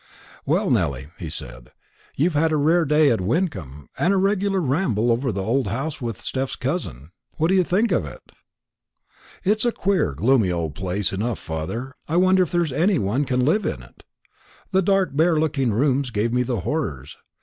"Well, Nelly," he said, "you've had a rare day at Wyncomb, and a regular ramble over the old house with Steph's cousin. What do you think of it?" "I think it's a queer gloomy old place enough, father. I wonder there's any one can live in it. The dark bare looking rooms gave me the horrors.